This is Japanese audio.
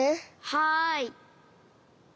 はい。